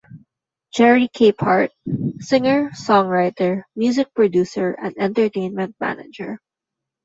Jerry Capehart - Singer, Songwriter, Music Producer and Entertainment Manager.